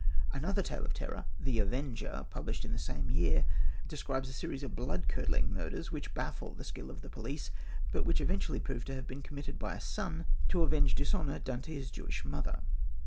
Another tale of terror, The Avenger, published in the same year, describes a series of bloodcurdling murders which baffle the skill of the police, but which eventually prove to have been committed by a son to avenge dishonour done to his Jewish mother.